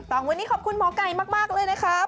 วันนี้ขอบคุณหมอไก่มากเลยนะครับ